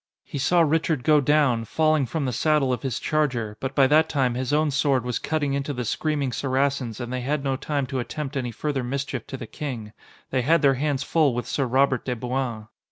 He saw Richard go down, falling from the saddle of his charger, but by that time his own sword was cutting into the screaming Saracens and they had no time to attempt any further mischief to the King. They had their hands full with Sir Robert de Bouain.